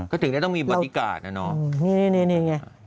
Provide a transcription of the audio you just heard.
ก็ถึงต้องมีบรัฐกาศแน่นอน